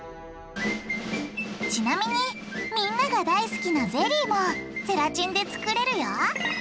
ちなみにみんなが大好きなゼリーもゼラチンで作れるよ。